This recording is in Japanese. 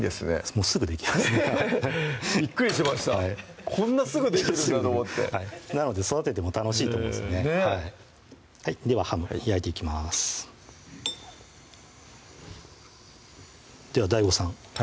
もうすぐできますねびっくりしましたこんなすぐできるんだと思ってなので育てても楽しいと思いますねぇではハム焼いていきますではＤＡＩＧＯさん